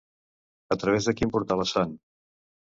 A través de quin portal es fan?